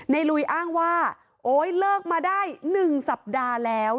ลุยอ้างว่าโอ๊ยเลิกมาได้๑สัปดาห์แล้ว